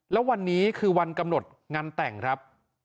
แล้ววันนี้คือวันกำหนดงานแต่งครับ